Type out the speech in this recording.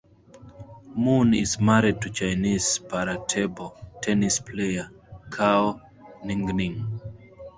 Moon is married to Chinese para table tennis player Cao Ningning.